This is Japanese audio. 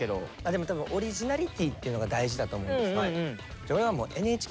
でもオリジナリティーっていうのが大事だと思うんですよ。